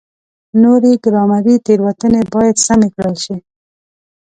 نورې ګرامري تېروتنې باید سمې کړل شي.